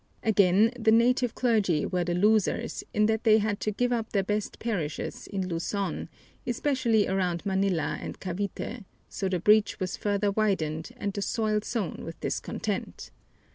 Again the native clergy were the losers in that they had to give up their best parishes in Luzon, especially around Manila and Cavite, so the breach was further widened and the soil sown with discontent.